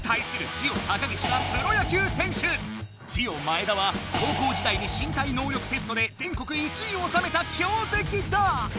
ジオ高岸はジオ前田は高校時代に身体能力テストで全国１位をおさめたきょうてきだ！